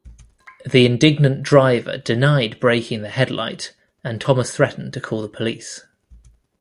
The indignant driver denied breaking the headlight and Thomas threatened to call the police.